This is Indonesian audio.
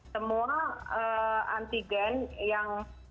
semua antigen yang